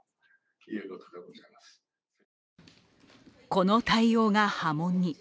この対応が波紋に。